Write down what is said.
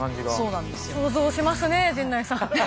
想像しますねえ陣内さん。